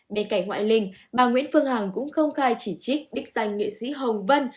bên cạnh ngoại linh bà nguyễn phương hằng cũng không khai chỉ trích đích danh nghệ sĩ hồng vân